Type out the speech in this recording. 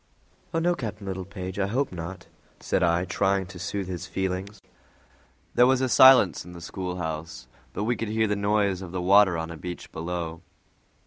"Oh no, Captain Littlepage, I hope not," said I, trying to soothe his feelings. There was a silence in the schoolhouse, but we could hear the noise of the water on a beach below.